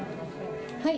はい。